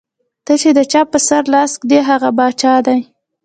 ته چې د چا پۀ سر لاس کېږدې ـ هغه باچا دے ـ